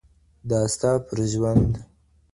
دا ستا پر ژوند